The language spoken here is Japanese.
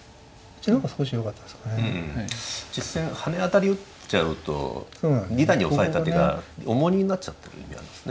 実戦ハネアタリ打っちゃうと二段にオサえた手が重荷になっちゃってる意味あるんです。